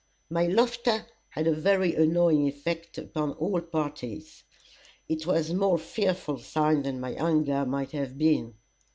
My laughter had a very annoying effect upon all parties. It was a more fearful sign than my anger might have been.